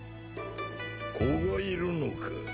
子がいるのか？